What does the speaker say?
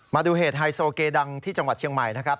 มาดูเหตุไฮโซเกดังที่จังหวัดเชียงใหม่นะครับ